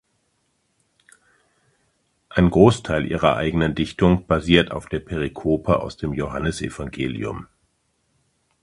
Ein Großteil ihrer eigenen Dichtung basiert auf der Perikope aus dem Johannesevangelium.